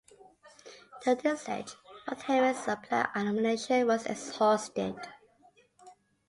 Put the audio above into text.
During this siege, Fort Henry's supply of ammunition was exhausted.